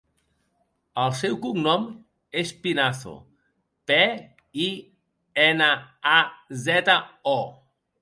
El seu cognom és Pinazo: pe, i, ena, a, zeta, o.